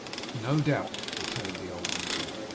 'No doubt,' returned the old man.